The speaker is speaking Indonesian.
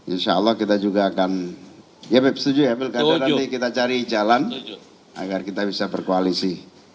insya allah kita juga akan ya setuju ya pilkada nanti kita cari jalan agar kita bisa berkoalisi